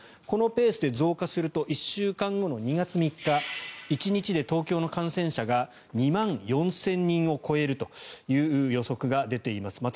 このペースで増加すると１週間後の２月３日１日で東京の感染者が２万４０００人を超えるという予測が出ています。